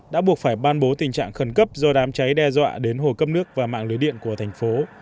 đã buộc phải ban bố tình trạng khẩn cấp do đám cháy đe dọa đến hồ cấp nước và mạng lưới điện của thành phố